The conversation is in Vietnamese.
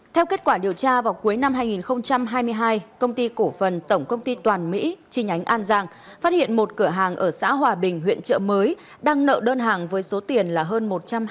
theo kết quả điều tra vào cuối năm hai nghìn hai mươi hai công ty cổ phần tổng công ty toàn mỹ chi nhánh an giang phát hiện một cửa hàng ở xã hòa bình huyện trợ mới đang nợ đơn hàng với số tiền là hơn một trăm hai mươi